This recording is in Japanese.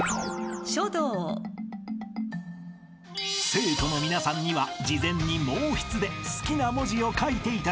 ［生徒の皆さんには事前に毛筆で好きな文字を書いていただきました］